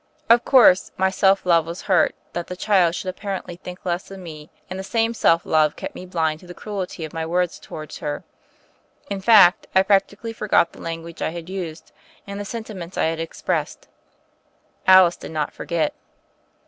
Of course, my self love was hurt that the child should apparently think less of me; and the same self love kept me blind to the cruelty of my words towards her. In fact, I practically forgot the language I had used, and the senti ments I had expressed. Alice did not forget.